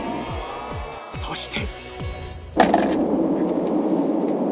そして